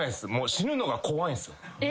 死ぬのが怖いんすよ。